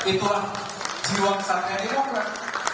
itulah jiwa besarnya demokrat